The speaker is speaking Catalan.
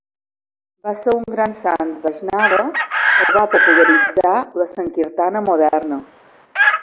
Va ser un gran sant Vaishnava que va popularitzar la sankirtana moderna.